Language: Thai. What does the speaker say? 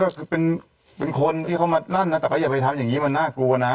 ก็คือเป็นคนที่เขามานั่นนะแต่ก็อย่าไปทำอย่างนี้มันน่ากลัวนะ